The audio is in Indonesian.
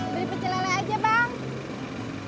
beri pecel lele aja bang